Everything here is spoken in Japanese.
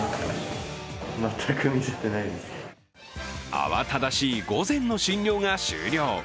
慌ただしい午前の診療が終了。